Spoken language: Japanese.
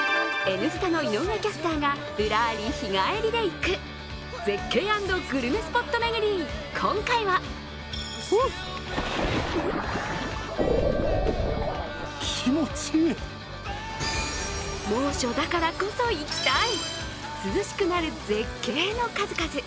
「Ｎスタ」の井上キャスターがぶらーり日帰りで行く絶景＆グルメスポット巡り、今回は猛暑だからこそ行きたい、涼しくなる絶景の数々。